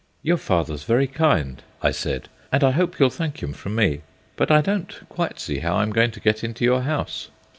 "Your father's very kind," I said, "and I hope you'll thank him from me; but I don't quite see how I'm to get into your house."